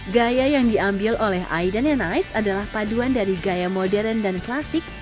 gaya yang diambil oleh aiden and ice adalah paduan dari gaya modern dan klasik